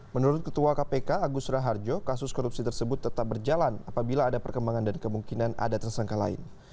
menurut ketua kpk agus raharjo kasus korupsi tersebut tetap berjalan apabila ada perkembangan dan kemungkinan ada tersangka lain